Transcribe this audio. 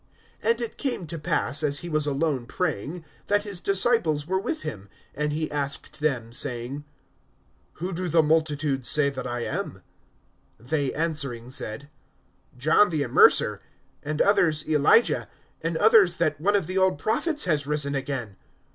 (18)And it came to pass, as he was alone praying, that his disciples were with him; and he asked them, saying: Who do the multitudes say that I am? (19)They answering said: John the Immerser; and others, Elijah; and others, that one of the old prophets has risen again.